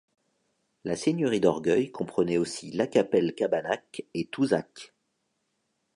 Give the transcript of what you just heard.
La seigneurie d'Orgueil comprenait aussi Lacapelle-Cabanac et Touzac.